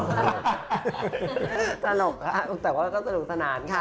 สนุกแต่ว่าเป็นรกสนานคะ